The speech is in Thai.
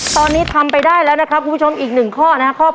ตอนนี้ทำไปได้แล้วนะครับคุณผู้ชมอีกหนึ่งข้อนะครับ